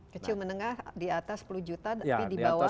kecil menengah di atas sepuluh juta tapi di bawah